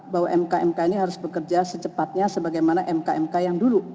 bahwa mk mk ini harus bekerja secepatnya sebagaimana mk mk yang dulu